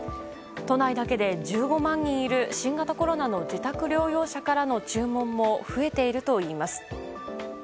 都内だけで１５万人いる新型コロナの自宅療養者からの注文も増えているといいます。